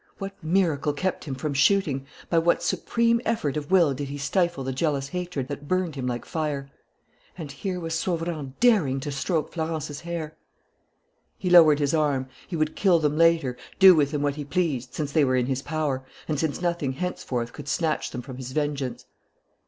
What miracle kept him from shooting? By what supreme effort of will did he stifle the jealous hatred that burnt him like fire? And here was Sauverand daring to stroke Florence's hair! He lowered his arm. He would kill them later, do with them what he pleased, since they were in his power, and since nothing henceforth could snatch them from his vengeance.